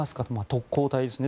特攻隊ですね。